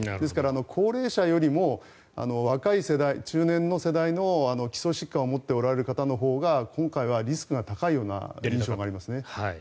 高齢者よりも若い世代中年の世代の基礎疾患を持っておられる方のほうが今回はリスクが高いような印象がありますね。